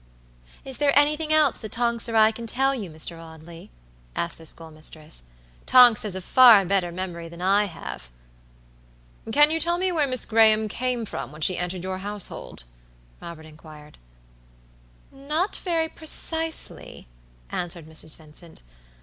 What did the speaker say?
"Is there anything else that Tonks or I can tell you, Mr. Audley?" asked the schoolmistress. "Tonks has a far better memory than I have." "Can you tell me where Miss Graham came from when she entered your household?" Robert inquired. "Not very precisely," answered Mrs. Vincent.